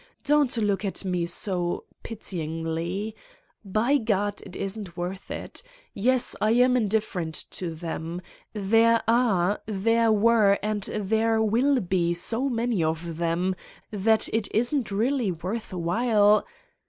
Don't look at me so ... pity ingly. By God, it isn't worth it! Yes, I am indif ferent to them. There are, there were and there will be so many of them that it isn't really worth while.